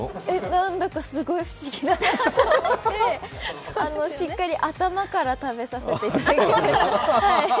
何だかすごい不思議だなと思って、しっかり頭から食べさせていただきました。